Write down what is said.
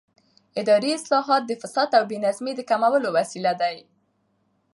اداري اصلاحات د فساد او بې نظمۍ د کمولو وسیله دي